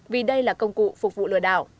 vì đây là công cụ phục vụ lừa đảo